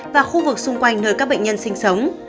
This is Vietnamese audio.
và khu vực xung quanh nơi các bệnh nhân sinh sống